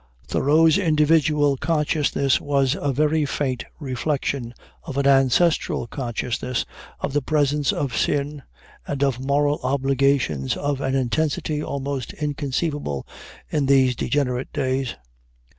Thoreau's individual consciousness was a very faint reflection of an ancestral consciousness of the presence of sin, and of moral obligations of an intensity almost inconceivable in these degenerate days.